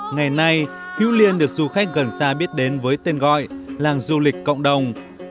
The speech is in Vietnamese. ngày nay hữu liên được du khách gần xa biết đến với tên gọi làng du lịch cộng đồng